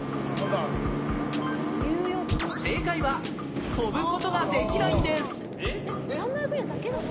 正解は飛ぶことができないんです。